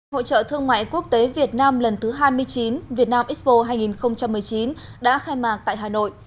hội trợ thương mại quốc tế việt nam lần thứ hai mươi chín việt nam expo hai nghìn một mươi chín đã khai mạc tại hà nội